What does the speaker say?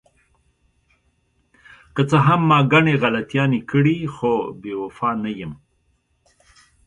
که څه هم ما ګڼې غلطیانې کړې، خو بې وفا نه یم.